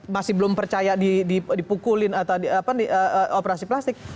masih belum percaya dipukulin atau operasi plastik